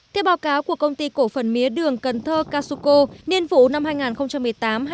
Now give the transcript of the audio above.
theo báo cáo của công ty cổ phần mía đường cần thơ casuco niên vụ năm hai nghìn một mươi tám hai nghìn hai mươi